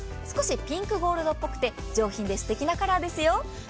少しピンクゴールドっぽくて、上品ですてきなカラーですよ。